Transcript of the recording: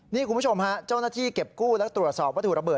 นี่คุณผู้ชมฮะเจ้าหน้าที่เก็บกู้และตรวจสอบวัตถุระเบิ